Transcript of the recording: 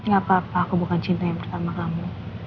ya apa apa aku bukan cinta yang pertama kamu